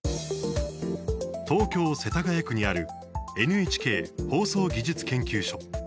東京・世田谷区にあるＮＨＫ放送技術研究所。